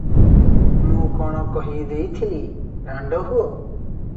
ମୁଁ କଣ କହି ଦେଇଥିଲି, ରାଣ୍ଡ ହୁଅ?